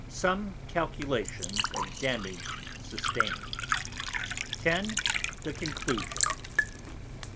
Some Calculations of Damage sustain'd. 10. The Conclusion.